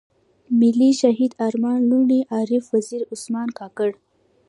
ملي شهيدان ارمان لوڼی، عارف وزير، عثمان کاکړ.